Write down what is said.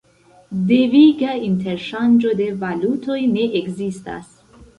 Deviga interŝanĝo de valutoj ne ekzistas.